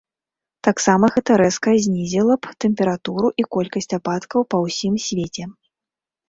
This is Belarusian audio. Таксама гэта рэзка знізіла б тэмпературу і колькасць ападкаў па ўсім свеце.